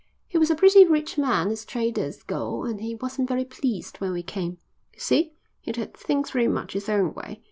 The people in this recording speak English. He was a pretty rich man as traders go and he wasn't very pleased when we came. You see, he'd had things very much his own way.